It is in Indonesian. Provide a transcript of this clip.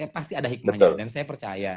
pasti ada hikmahnya dan saya percaya